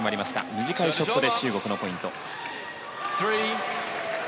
短いショットで中国のポイント。